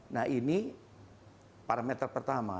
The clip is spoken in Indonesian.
nah ini parameter pertama